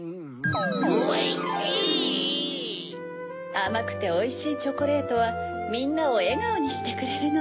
あまくておいしいチョコレートはみんなをえがおにしてくれるの。